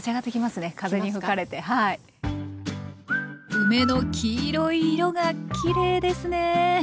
梅の黄色い色がきれいですね。